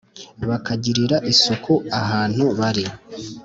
bakagirira isuku ahantu bari